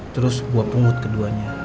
terus gue pungut keduanya